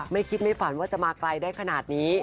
ไม่คิดไม่ฝันว่าจะมาไกลได้ขนาดนี้